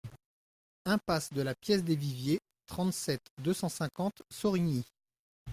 Impasse de la Pièce des Viviers, trente-sept, deux cent cinquante Sorigny